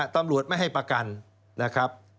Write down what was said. ตำรวจไม่ให้ประกันนะครับ